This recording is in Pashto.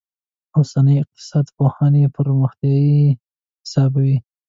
اوسني اقتصاد پوهان یې پرمختیايي حسابوي.